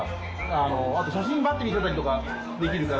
あと写真バッて見せたりとかできるから。